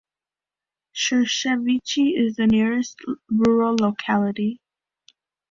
Shershevichi is the nearest rural locality.